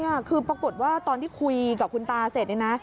ค่ะคือปรากฏว่าตอนที่คุยกับคุณตาเสร็จเนี่ยนะ